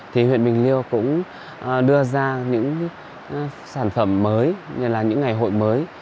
thì huyện bình liêu cũng đưa ra những sản phẩm mới như là những ngày hội mới